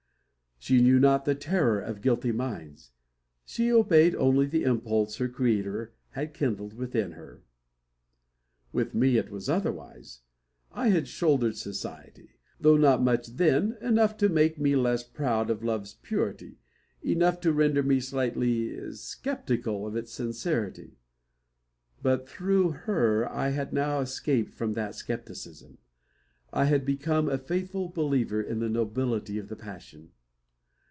She knew not the terror of guilty minds. She obeyed only the impulse her Creator had kindled within her. With me it was otherwise. I had shouldered society; though not much then, enough to make me less proud of love's purity enough to render me slightly sceptical of its sincerity. But through her I had now escaped from that scepticism. I had become a faithful believer in the nobility of the passion.